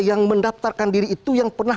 yang mendaftarkan diri itu yang pernah